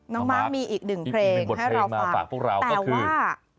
น้องมาร์คมีอีกหนึ่งเพลงให้เราฝากแต่ว่า